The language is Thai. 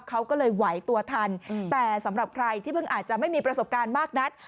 เขาก็เลยไหวตัวทันแต่สำหรับใครที่เพิ่งอาจจะไม่มีประสบการณ์มากนัก